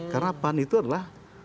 karena pan itu adalah